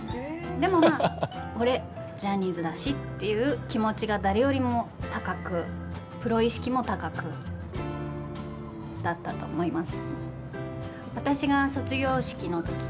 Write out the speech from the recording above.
でも、まあ俺、ジャニーズだしっていう気持ちが誰よりも高くプロ意識も高くだったと思います。